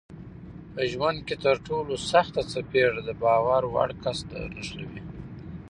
په ژوند کې ترټولو سخته څپېړه دباور وړ کس درنښلوي